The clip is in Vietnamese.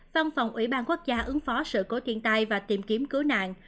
văn phòng ủy ban quốc gia ứng phó sự cố thiên tai và tìm kiếm cứu nạn